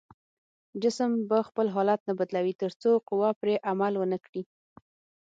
جسم به خپل حالت نه بدلوي تر څو قوه پرې عمل ونه کړي.